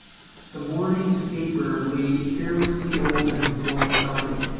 The morning's paper lay carelessly opened and thrown aside.